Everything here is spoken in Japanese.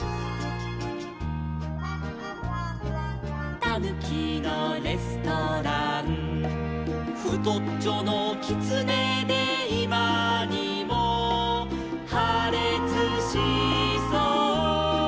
「たぬきのレストラン」「ふとっちょのきつねでいまにもはれつしそう」